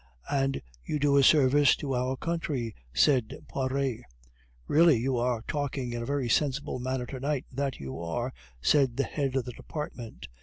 "And you do a service to our country," said Poiret. "Really, you are talking in a very sensible manner tonight, that you are," said the head of the department.